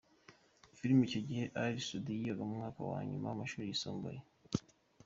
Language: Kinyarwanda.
filime, icyo gihe Ally Soudy yigaga mu mwaka wa nyuma w'amashuri yisumbuye